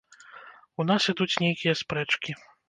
У нас ідуць нейкія спрэчкі.